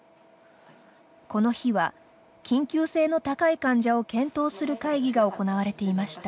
この日は、緊急性の高い患者を検討する会議が行われていました。